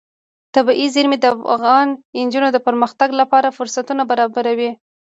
طبیعي زیرمې د افغان نجونو د پرمختګ لپاره فرصتونه برابروي.